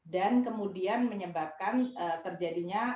dan kemudian menyebabkan terjadinya